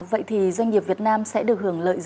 vậy thì doanh nghiệp việt nam sẽ được hưởng lợi gì